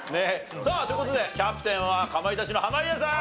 さあという事でキャプテンはかまいたちの濱家さん！